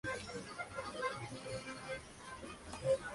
Todos los partidos se jugaron en Bangkok, Tailandia.